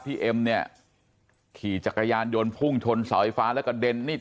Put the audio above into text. เอ็มเนี่ยขี่จักรยานยนต์พุ่งชนเสาไฟฟ้าแล้วกระเด็นนิด